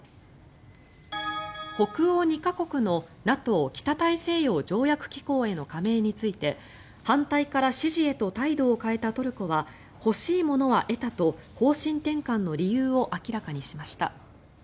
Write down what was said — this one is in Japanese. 北欧２か国のＮＡＴＯ・北大西洋条約機構への加盟について反対から支持へと態度を変えたトルコは欲しいものは得たと方針転換の理由を明らかにしました。